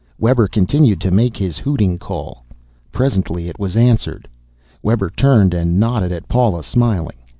Webber continued to make his hooting call. Presently it was answered. Webber turned and nodded at Paula, smiling.